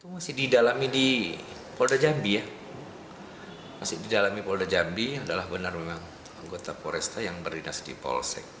masih didalami polda jambi adalah benar memang anggota polresta yang berdinas di polsek